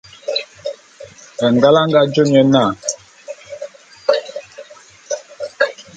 Ngal a nga jô nye na.